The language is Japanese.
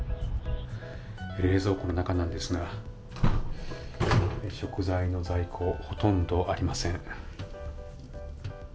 冷蔵庫の中なんですが食材の在庫ほとんどありません。